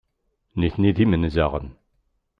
Nitni d imenzaɣen.